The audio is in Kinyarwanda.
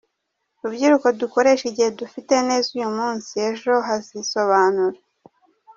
Rubyiruko dukoreshe igihe dufite neza uyu munsi, ejo hazisobanura.